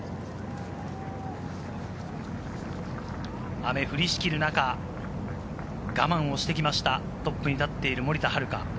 雨降りしきる中、我慢をしてきました、トップに立っている森田遥。